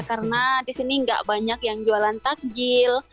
karena di sini tidak banyak yang jualan takjil